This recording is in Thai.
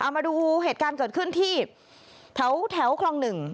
มาดูเหตุการณ์เกิดขึ้นที่แถวคลอง๑